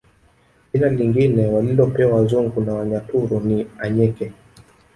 Jina lingine walilopewa wazungu na Wanyaturu ni Anyeke